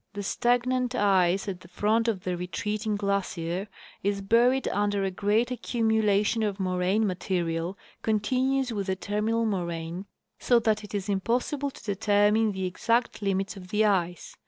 The stagnant ice at the front of the retreating glacier is buried under a great accumulation of moraine material continuous with the terminal moraine, so that it is impossible to determine the exact limits of the ice.